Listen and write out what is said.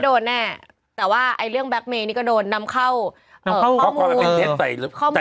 โดนแน่แต่ว่าไอ้เรื่องเนี้ยก็โดนนำเข้าเอาข้อมูลข้อมูล